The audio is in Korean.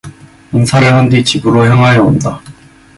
인사를 한 뒤 집으로 향하여 온다.